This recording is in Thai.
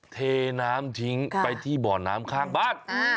เทน้ำทิ้งไปที่บ่อน้ำข้างบ้าน